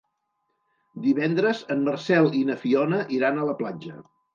Divendres en Marcel i na Fiona iran a la platja.